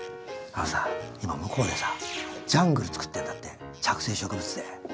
あのさ今向こうでさジャングルつくってるんだって着生植物で。